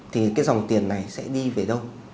thì cái dòng tiền này sẽ đi về đâu